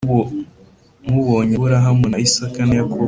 mubonye Aburahamu na Isaka na Yakobo